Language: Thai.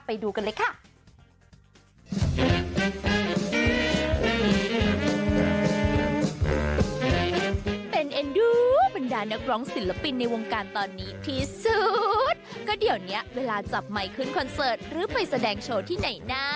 ไปดูกันเลยค่ะ